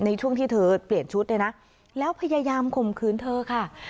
ในช่วงที่เธอเปลี่ยนชุดเนี่ยนะแล้วพยายามข่มขืนเธอค่ะ